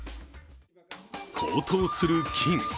高騰する金